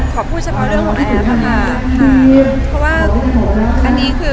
ขอพูดเฉพาะเรื่องของแอฟค่ะ